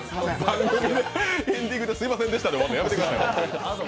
エンディングですみませんでしたで終わるのやめてください。